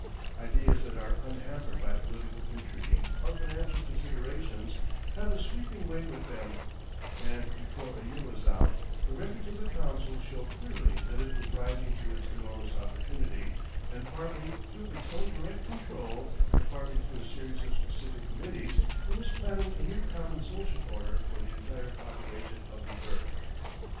Ideas that are unhampered by political intrigue or financial considerations have a sweeping way with them, and before a year was out the records of the council show clearly that it was rising to its enormous opportunity, and partly through its own direct control and partly through a series of specific committees, it was planning a new common social order for the entire population of the earth.